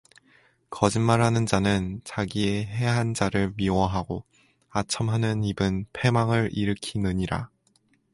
거짓말하는 자는 자기의 해한 자를 미워하고 아첨하는 입은 패망을 일으키느니라